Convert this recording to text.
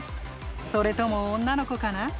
それとも女の子かな？